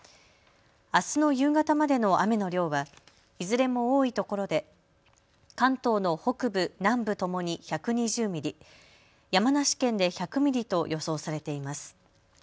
あすの夕方までの雨の量はいずれも多い所で関東の北部、南部ともに１２０ミリ、山梨県で１００ミリと予想されています。